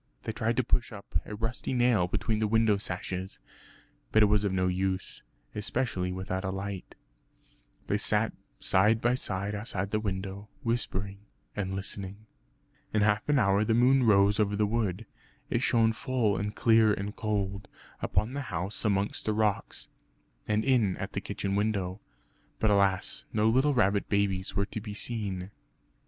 They tried to push up a rusty nail between the window sashes; but it was of no use, especially without a light. They sat side by side outside the window, whispering and listening. In half an hour the moon rose over the wood. It shone full and clear and cold, upon the house amongst the rocks, and in at the kitchen window. But alas, no little rabbit babies were to be seen!